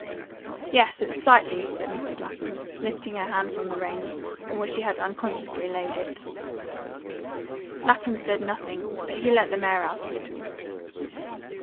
"Yes, it's sightly," said Mrs. Lapham, lifting her hand from the reins, on which she had unconsciously laid it. Lapham said nothing, but he let the mare out a little.